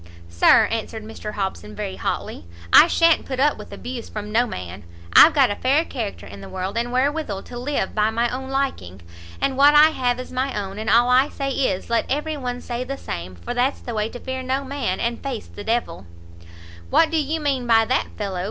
"Sir," answered Mr Hobson, very hotly, "I sha'n't put up with abuse from no man! I've got a fair character in the world, and wherewithal to live by my own liking. And what I have is my own, and all I say is, let every one say the same, for that's the way to fear no man, and face the d l." "What do you mean by that, fellow?"